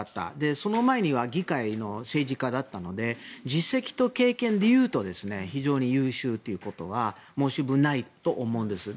その前には議会の政治家だったので実績と経験でいうと非常に優秀ということは申し分ないと思うんです。